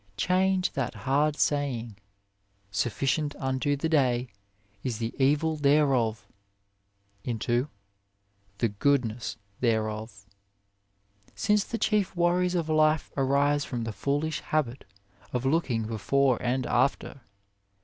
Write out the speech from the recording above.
Change that hard saying "Sufficient unto the day is the evil thereof" into "the goodness thereof," since the chief worries of life arise from the foolish habit of looking be fore and after.